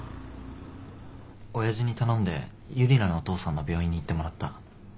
親父に頼んでユリナのお父さんの病院に行ってもらった。